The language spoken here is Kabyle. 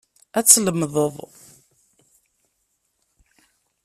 Ad tlemdeḍ.